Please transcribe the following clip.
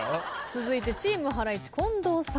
続いてチームハライチ近藤さん。